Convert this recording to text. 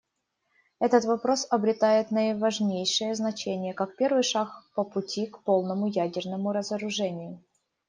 Этот вопрос обретает наиважнейшее значение как первый шаг по пути к полному ядерному разоружению.